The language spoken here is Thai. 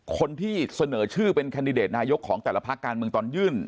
คนที่เสนอชื่อเป็นแคนดิเดตนายกของแต่ละภาคการเมืองตอนยื่น